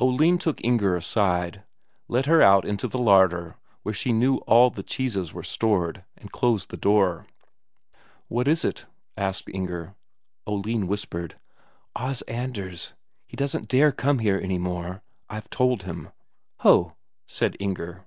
Oline took Inger aside, led her out into the larder where she knew all the cheeses were stored, and closed the door. "What is it?" asked Inger. Oline whispered: "Os Anders, he doesn't dare come here any more. I've told him." "Ho!" said Inger.